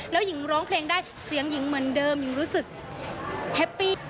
แล้วหญิงร้องเพลงได้เสียงหญิงเหมือนเดิมหญิงรู้สึกแฮปปี้